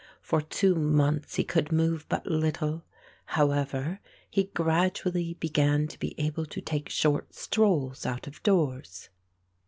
For two months he could move but little; however, he gradually began to be able to take short strolls out of doors.